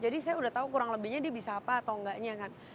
jadi saya udah tahu kurang lebihnya dia bisa apa atau enggaknya kan